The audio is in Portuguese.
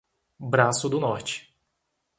Braço do Norte